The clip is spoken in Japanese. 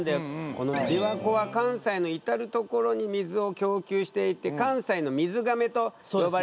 このびわ湖は関西の至る所に水を供給していて関西の水がめと呼ばれているんですよね。